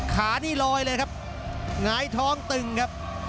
ขานี่ลอยเลยครับหงายท้องตึงครับ